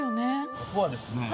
ここはですね